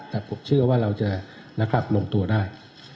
แต่ผมเชื่อว่าเราจะลงตัวได้